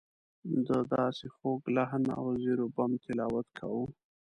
ده داسې خوږ لحن او زیر و بم تلاوت کاوه.